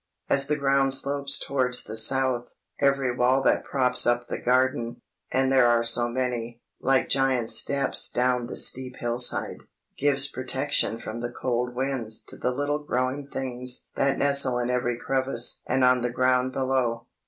As the ground slopes towards the south, every wall that props up the garden—and there are so many, like giant steps down the steep hillside—gives protection from the cold winds to the little growing things that nestle in every crevice and on the ground below.